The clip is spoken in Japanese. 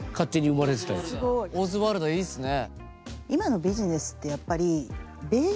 オズワルダーいいっすね。